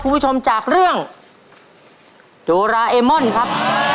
คุณผู้ชมจากเรื่องโดราเอมอนครับ